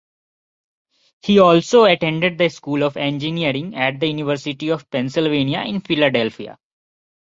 He also attended the School of Engineering at the University of Pennsylvania in Philadelphia.